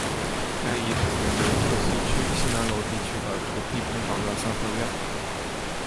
该遗址原为河西区西南楼地区的土坯平房的三合院。